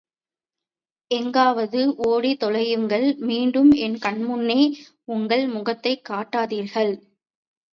எங்காவது ஓடித் தொலையுங்கள் மீண்டும் என் கன்முன்னே உங்கள் முகத்தைக் காட்டாதீர்கள்.